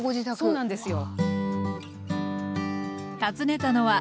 そうなんですよ。